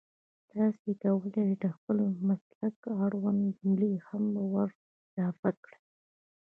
تاسو کولای شئ د خپل مسلک اړونده جملې هم ور اضافه کړئ